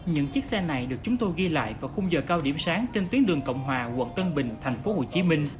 những chiếc xe này được chúng tôi ghi lại vào khung giờ cao điểm sáng trên tuyến đường cộng hòa quận tân bình tp hcm